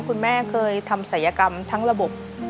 คุณแม่เคยทำศัยกรรมทั้งระบบ